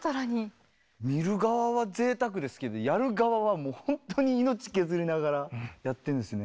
見る側はぜいたくですけどやる側はもう本当に命削りながらやってんですね。